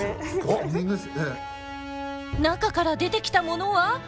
中から出てきたものは！？